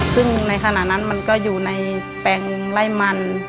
ซึ่งในขณะนั้นมันก็อยู่ในแปลงไล่มัน